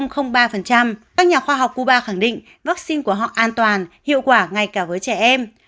các nhà khoa học cuba khẳng định vaccine của họ an toàn hiệu quả ngay cả với trẻ em